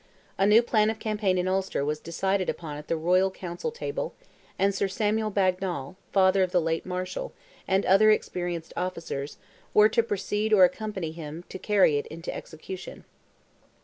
A new plan of campaign in Ulster was decided upon at the royal council table, and Sir Samuel Bagnal, brother of the late Marshal, and other experienced officers, were to precede or accompany him to carry it into execution.